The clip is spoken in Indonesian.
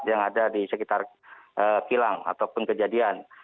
yang ada di sekitar kilang ataupun kejadian